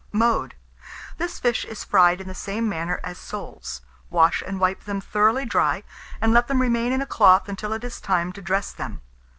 Mode. This fish is fried in the same manner as soles. Wash and wipe them thoroughly dry, and let them remain in a cloth until it is time to dress them.